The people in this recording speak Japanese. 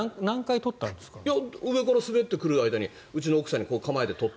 上から滑ってくる間にうちの奥さんに構えてもらって。